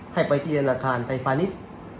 ให้ไปที่ธนาคารไทยฟานิส